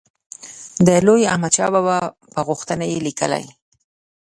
د لوی احمدشاه بابا په غوښتنه یې لیکلی.